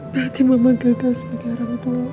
berarti mama gagal sebagai orang tua